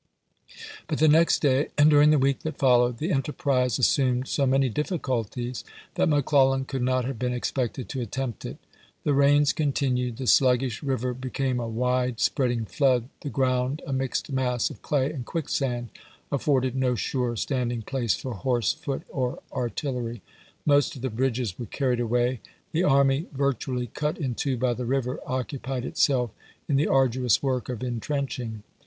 ^ mac. But the next day and during the week that fol W. E. lowed, the enterprise assumed so many difficulties voi! xi., that McClellan could not have been expected to pp 130, ik. attempt it. The rains continued; the sluggish river became a wide spreading flood ; the ground, a mixed mass of clay and quicksand, afforded no sure standing place for horse, foot, or artillery; most of the bridges were carried away ; the army, virtually cut in two by the river, occupied itself in the arduous work of intrenching.